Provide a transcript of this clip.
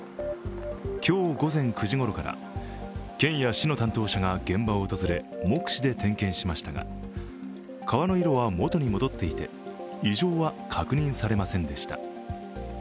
今日午前９時ごろから、県や市の担当者が現場を訪れ目視で点検しましたが川の色は元に戻っていて異常は確認されませんでした。